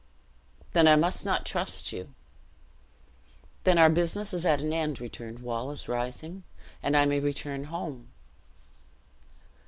"Then I must not trust you." "Then our business is at an end," returned Wallace, rising, "and I may return home."